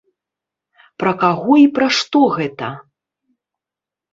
Пра каго і пра што гэта?